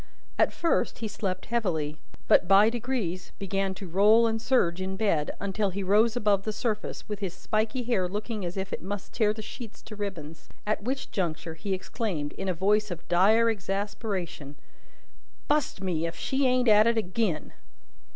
At first, he slept heavily, but, by degrees, began to roll and surge in bed, until he rose above the surface, with his spiky hair looking as if it must tear the sheets to ribbons. At which juncture, he exclaimed, in a voice of dire exasperation: "Bust me, if she ain't at it agin!"